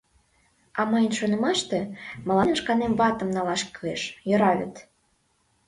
А мыйын шонымаште, мыланем шканем ватым налаш кӱлеш, йӧра вет?